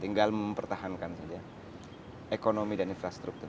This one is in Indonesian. tinggal mempertahankan saja ekonomi dan infrastruktur